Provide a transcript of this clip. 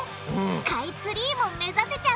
スカイツリーも目指せちゃうかも？